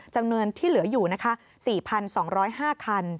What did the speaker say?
จำนวนที่เหลืออยู่นะคะ๔๒๐๕คัน